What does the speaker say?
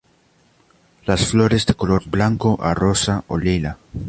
Las flores de color blanco a rosa o lila.